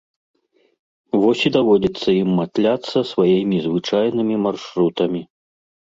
Вось і даводзіцца ім матляцца сваімі звычайнымі маршрутамі.